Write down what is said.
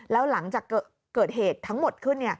แล้วหลังจากเกิดเหตุทั้งหมดขึ้น